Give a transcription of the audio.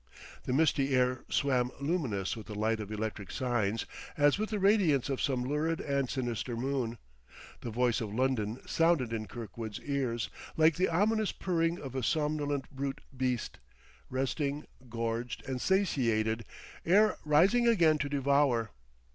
The misty air swam luminous with the light of electric signs as with the radiance of some lurid and sinister moon. The voice of London sounded in Kirkwood's ears, like the ominous purring of a somnolent brute beast, resting, gorged and satiated, ere rising again to devour.